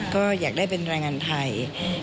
ก็อยากได้เป็นแรงงานไทย